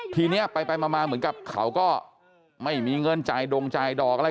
ทีนี้ไปมาเหมือนกับเขาก็ไม่มีเงินจ่ายดงจ่ายดอกอะไร